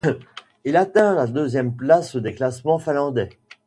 Il atteint la deuxième place des classements finlandais.